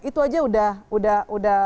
itu aja udah